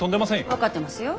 分かってますよ。